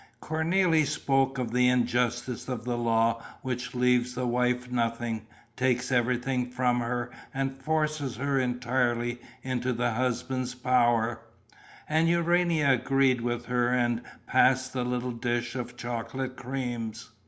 Cornélie spoke of the injustice of the law which leaves the wife nothing, takes everything from her and forces her entirely into the husband's power; and Urania agreed with her and passed the little dish of chocolate creams.